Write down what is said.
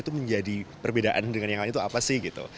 itu menjadi perbedaan dengan yang lain itu apa sih gitu